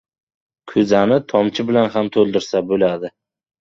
• Ko‘zani tomchi bilan ham to‘ldirsa bo‘ladi.